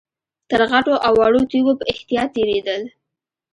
تر غټو او وړو تيږو په احتياط تېرېدل.